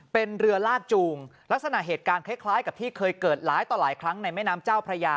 เป็นเรือลาดจูงลักษณะเหตุการณ์คล้ายกับที่เคยเกิดหลายต่อหลายครั้งในแม่น้ำเจ้าพระยา